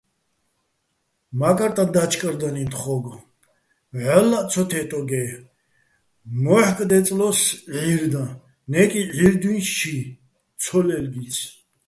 მა́კარტაჼ და́ჩკარდალიჼ თხო́გო, ვჵალლაჸ ცო თე́ტოგე̆, მო́ჰ̦̦კ დე́წლო́ს ჵირდაჼ, ნე́კი ჵირდუ́ჲნში ცო ლე́ლგიცი̆.